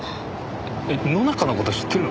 えっ野中の事知ってるの？